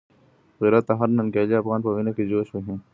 غیرت د هر ننګیالي افغان په وینه کي جوش وهي.